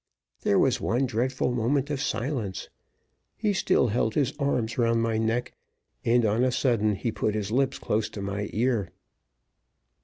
There was one dreadful moment of silence. He still held his arms round my neck, and on a sudden he put his lips close to my ear.